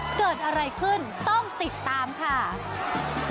เกิดอะไรขึ้นต้องติดตามค่ะ